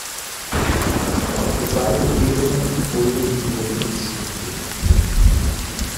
Auf der zweiten Ebene folgen die Provinzstädte.